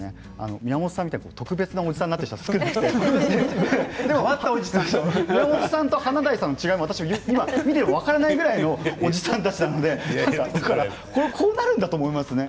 宮本さんみたいに特別なおじさんになっている人は少なくてこのおじさんと華大さん見ていても分からないぐらいのおじさんたちなのでこうなるんだと思いますね。